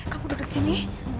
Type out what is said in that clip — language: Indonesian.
kamu duduk sini